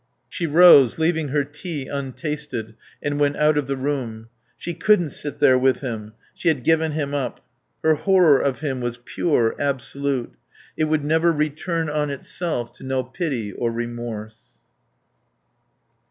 She rose, leaving her tea untasted, and went out of the room. She couldn't sit there with him. She had given him up. Her horror of him was pure, absolute. It would never return on itself to know pity or remorse.